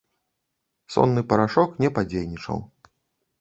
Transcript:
Сонны парашок не падзейнічаў.